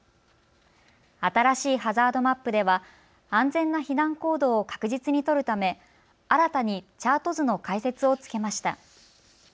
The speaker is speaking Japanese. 新しいハザードマップでは安全な避難行動を確実に取るため新たにチャート図の解説をつけました。